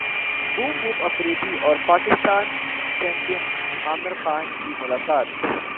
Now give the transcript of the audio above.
boom boom Afridi اور boxing champion Aamir Khan کی ملاقات